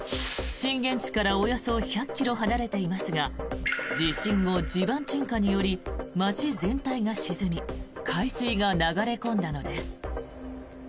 震源地からおよそ１００ｋｍ離れていますが地震後、地盤沈下により街全体が沈み海水が流れ込んだのです。